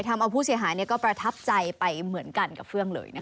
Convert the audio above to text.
ทำเอาผู้เสียหายก็ประทับใจไปเหมือนกันกับเฟื่องเลย